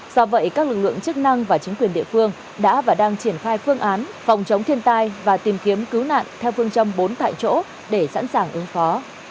do vậy các lực lượng chức năng và chính quyền địa phương đã và đang triển khai phương án phòng chống thiên tai và tìm kiếm cứu nạn theo phương châm bốn tại chỗ để sẵn sàng ứng phó